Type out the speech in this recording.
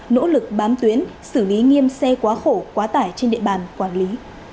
nỗ lực bám tuyến xử lý nghiêm xe quá khổ quá tải trên địa bàn quản lý